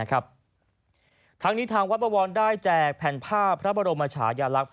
ทางนี้ทางวัดบวรได้แจกแผ่นผ้าพระบรมชายลักษณ